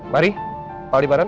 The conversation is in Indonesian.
mari pak aldi baran